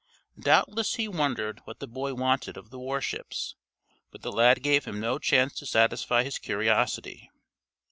Doubtless he wondered what the boy wanted of the war ships, but the lad gave him no chance to satisfy his curiosity.